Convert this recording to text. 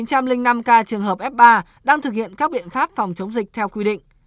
một trăm linh năm ca trường hợp f ba đang thực hiện các biện pháp phòng chống dịch theo quy định